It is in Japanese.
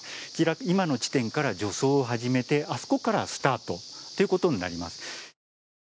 今の地点から助走を始めて、あそこからスタートになります。